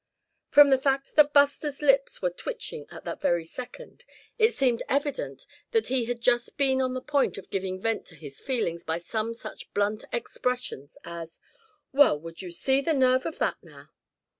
From the fact that Buster's lips were twitching at that very second, it seemed evident that he had just been on the point of giving vent to his feelings by some such blunt expression as: "Well, would you see the nerve of that, now?"